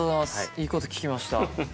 いいこと聞きました。